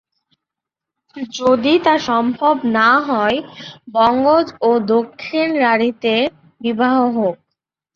যদি তা সম্ভব না হয়, বঙ্গজ ও দক্ষিণরাঢ়ীতে বিবাহ হোক।